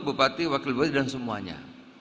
bupati wakil bupati dan semuanya